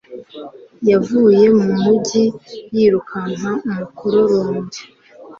Yavuye mu mujyi yirukana umukororombya